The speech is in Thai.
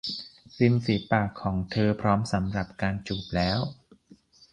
ริมฝีปากของเธอพร้อมสำหรับการจูบแล้ว !